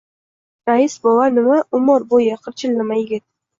— Rais bova, nima, umr bo‘yi qirchillama yigit